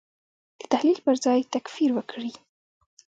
د تحلیل پر ځای تکفیر وکړي.